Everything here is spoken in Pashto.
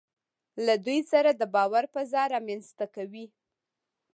له دوی سره د باور فضا رامنځته کوي.